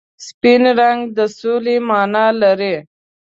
سپین رنګ د سولې مانا لري.